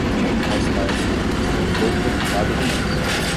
Mais tarde, está um pouco ocupado demais.